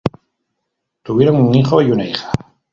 Tuvieron un hijo y una hija.